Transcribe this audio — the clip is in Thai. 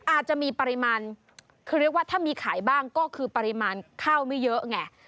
อาจจะมีปริมาณคือเรียกว่าถ้ามีขายบ้างก็คือปริมาณข้าวไม่เยอะไง